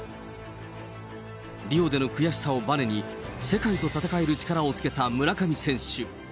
リオでの悔しさをばねに、世界と戦える力をつけた村上選手。